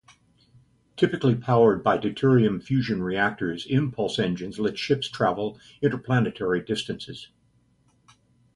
Typically powered by deuterium fusion reactors, impulse engines let ships travel interplanetary distances readily.